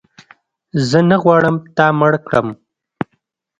زه نه غواړم تا مړ کړم